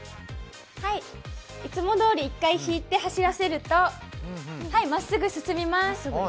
いつもどおり、１回引いて走らせるとまっすぐ進みます。